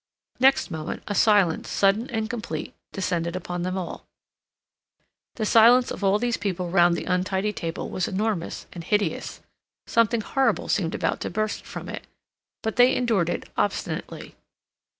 Next moment, a silence, sudden and complete, descended upon them all. The silence of all these people round the untidy table was enormous and hideous; something horrible seemed about to burst from it, but they endured it obstinately.